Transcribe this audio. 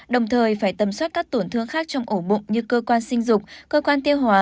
đồng thời phải tầm soát các tổn thương khác trong ổ bụng như cơ quan sinh dục cơ quan tiêu hóa